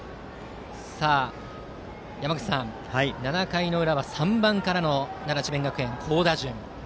山口さん、７回の裏は３番からの奈良・智弁学園の好打順です。